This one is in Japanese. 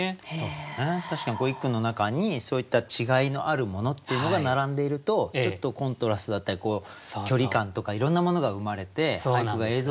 確かに一句の中にそういった違いのあるものっていうのが並んでいるとちょっとコントラストだったり距離感とかいろんなものが生まれて俳句が映像的になりますよね。